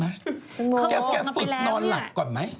เขาไปแล้วไงแกฝึกนอนหลับก่อนไหม